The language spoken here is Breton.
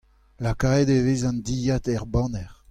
Lakaet e vez an dilhad er baner.